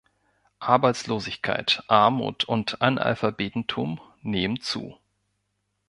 Arbeitslosigkeit, Armut und Analphabetentum nehmen zu.